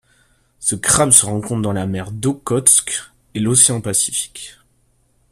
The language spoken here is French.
Ce crabe se rencontre dans la mer d'Okhotsk et l'océan Pacifique.